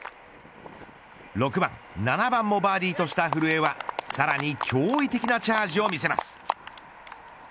６番７番もバーディーとした古江はさらに驚異的なチャージを見せます。